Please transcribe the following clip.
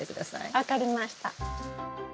分かりました。